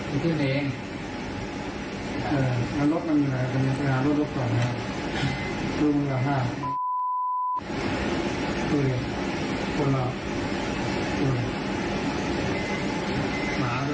นี่คุณผู้ชมหลักฐานชิ้นสำคัญนะคะ